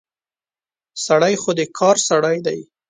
سړی خو د کار سړی دی.